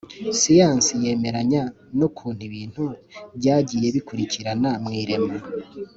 Siyansi yemeranya n ukuntu ibintu byagiye bikurikirana mu irema